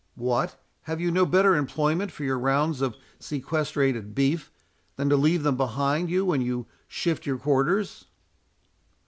What, have you no better employment for your rounds of sequestrated beef than to leave them behind you when you shift your quarters?"